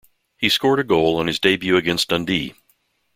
He scored a goal on his debut against Dundee.